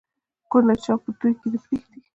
ـ کونډه چا په توى کې نه پرېښوده